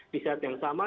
di saat yang sama